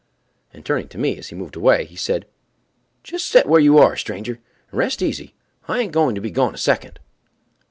And turning to me as he moved away, he said: "Just set where you are, stranger, and rest easy—I ain't going to be gone a second."